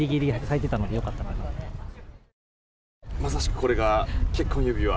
まさしくこれが結婚指輪。